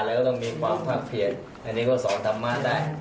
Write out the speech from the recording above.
แล้วก็ต้องมีความภาคเพียรอันนี้ก็สอนธรรมะได้